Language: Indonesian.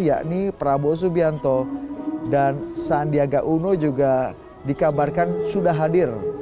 yakni prabowo subianto dan sandiaga uno juga dikabarkan sudah hadir